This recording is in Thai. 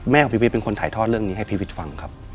ของพี่วิทย์เป็นคนถ่ายทอดเรื่องนี้ให้พี่วิทย์ฟังครับ